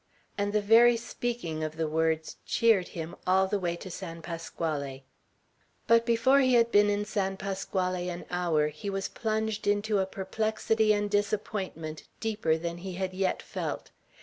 And the very speaking of the words cheered him all the way to San Pasquale. But before he had been in San Pasquale an hour, he was plunged into a perplexity and disappointment deeper than he had yet felt.